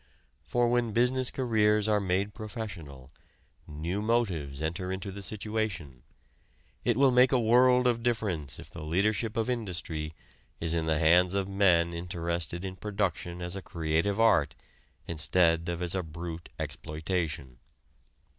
For when business careers are made professional, new motives enter into the situation; it will make a world of difference if the leadership of industry is in the hands of men interested in production as a creative art instead of as a brute exploitation.